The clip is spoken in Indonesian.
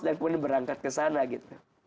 dan kemudian berangkat kesana gitu